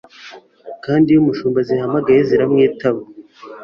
kandi iyo umushumba azihamagaye ziramwitaba.